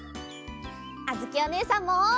あづきおねえさんも！